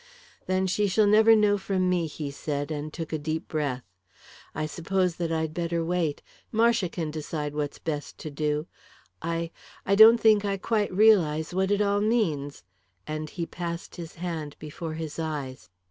"Then she shall never know from me," he said, and took a deep breath. "I suppose that I'd better wait. Marcia can decide what's best to do. I I don't think I quite realise what it all means," and he passed his hand before his eyes.